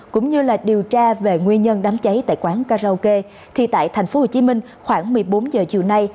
cũng như điều tra về nguyên nhân đám cháy tại quán karaoke thì tại tp hcm khoảng một mươi bốn giờ chiều nay